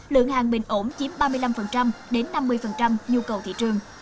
lượng hàng bình ổn chiếm ba mươi năm đến năm mươi nhu cầu thị trường